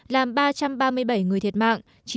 làm ba trăm ba mươi bảy người thiệt mạng